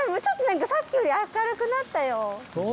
ちょっと何かさっきより明るくなったよ。